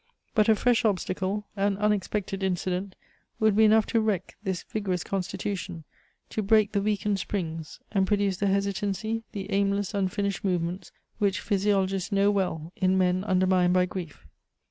But a fresh obstacle, an unexpected incident, would be enough to wreck this vigorous constitution, to break the weakened springs, and produce the hesitancy, the aimless, unfinished movements, which physiologists know well in men undermined by grief.